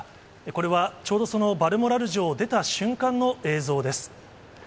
これは、ちょうどそのバルモラル城を出た瞬間の映像です。